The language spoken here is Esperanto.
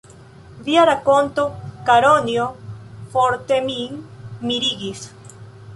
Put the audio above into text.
Via rakonto, Karonjo, forte min mirigis.